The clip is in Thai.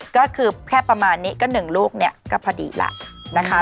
ก็คือแค่ประมาณนี้ก็๑ลูกเนี่ยก็พอดีแล้วนะคะ